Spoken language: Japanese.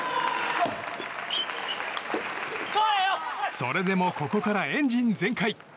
それでもここからエンジン全開。